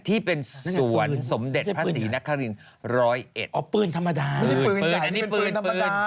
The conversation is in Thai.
ที่เป็นสวรรค์สมเด็จพระศรีนครรินร้อยเอ็ดอ๋อปืนธรรมดาไม่ใช่ปืนใหญ่นี่เป็นปืนธรรมดา